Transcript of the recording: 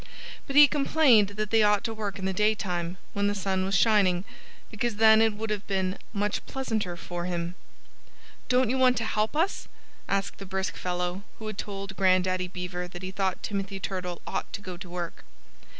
But he complained that they ought to work in the daytime, when the sun was shining, because then it would have been "much pleasanter for him." "Don't you want to help us?" asked the brisk fellow who had told Grandaddy Beaver that he thought Timothy Turtle ought to go to work.